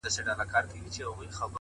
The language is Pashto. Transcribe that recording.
هره پرېکړه د راتلونکي انځور جوړوي؛